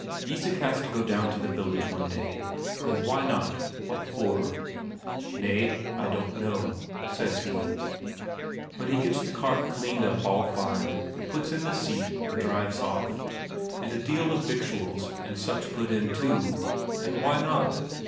Isak has to go down to the village one day and why not? What for? "Nay, I don't know," says he. But he gets the cart cleaned up all fine, puts in the seat, and drives off, and a deal of victuals and such put in, too and why not?